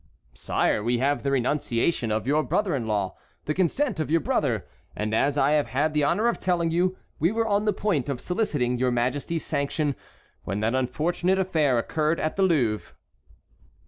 "Sire, we have the renunciation of your brother in law, the consent of your brother; and, as I have had the honor of telling you, we were on the point of soliciting your Majesty's sanction when that unfortunate affair occurred at the Louvre."